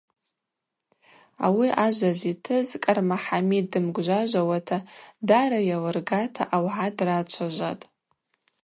Ауи ажва зитыз Кӏарма Хӏамид дымгвжважвауата, дара йалыргата аугӏа драчважватӏ.